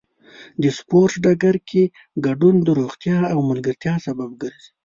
د سپورت ډګر کې ګډون د روغتیا او ملګرتیا سبب ګرځي.